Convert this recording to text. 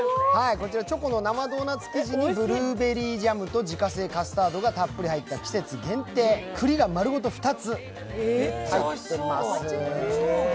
こちら、チョコの生ドーナツ生地にブルーベリージャムと自家製カスタードがたっぷり入った季節限定、くりが丸ごと２つ入ってます。